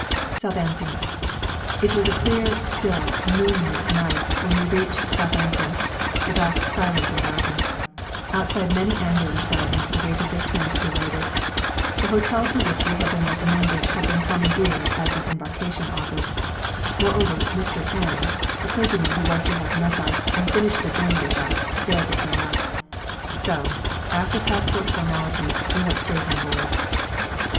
Southampton. It was a clear, still, moonlight night when we reached Southampton, the docks silent and darkened. Outside many ambulance wagons awaited their turn to be loaded. The hotel to which we had been recommended had been commandeered as an embarkation office. Moreover, Mr. N , the clergyman who was to have met us and finished the journey with us, failed to turn up. So, after passport formalities, we went straight on board.